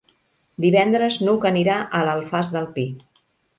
Divendres n'Hug anirà a l'Alfàs del Pi.